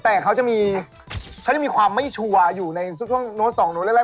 แต่เขาจะมีความไม่ชัวร์อยู่ในสุดท้องโน้ตสองโน้ตแรก